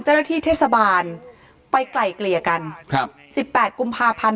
เจ้าหน้าที่เทศสาบาลไปกล่ายเกลียกันครับสิบแปดกุมภาพันธ์